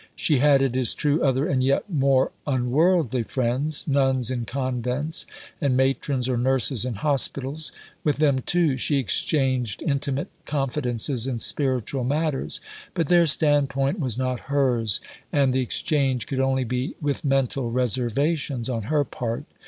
She had, it is true, other and yet more unworldly friends nuns in convents and matrons or nurses in hospitals. With them, too, she exchanged intimate confidences in spiritual matters; but their standpoint was not hers, and the exchange could only be with mental reservations on her part.